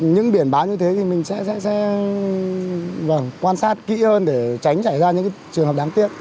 những biển báo như thế thì mình sẽ quan sát kỹ hơn để tránh xảy ra những trường hợp đáng tiếc